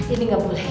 ini gak boleh